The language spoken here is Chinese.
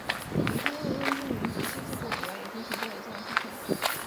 原生论认定民族是至古以来已经存在的自然现象。